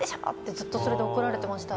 ずっとそれで怒られてました。